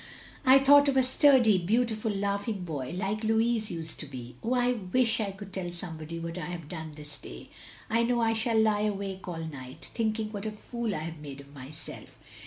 I thought of a sturdy, beautiful, laughing boy like Louis used to be. Oh I wish I could tell somebody what I have done this day. I know I shall lie awake all night, thinking what a fool I have made of myself.